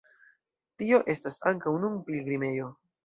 Tio estas ankaŭ nun pilgrimejo.